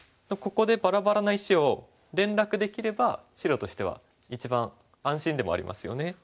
ここでバラバラな石を連絡できれば白としては一番安心でもありますよね。